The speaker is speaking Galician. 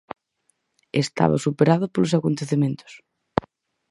Estaba superada polos acontecementos.